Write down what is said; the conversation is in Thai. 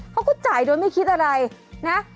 เขาก็จ่ายโดยไม่คิดอะไรนะ